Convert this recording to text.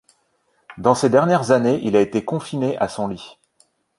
Dans ses dernières années, il a été confiné à son lit.